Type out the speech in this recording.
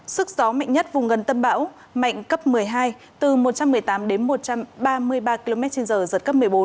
sức gió mạnh nhất vùng gần tâm bão mạnh cấp một mươi hai từ một trăm một mươi tám đến một trăm ba mươi ba km trên giờ giật cấp một mươi bốn